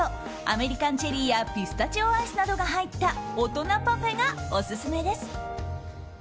アメリカンチェリーやピスタチオアイスなどが入った大人パフェがオススメです。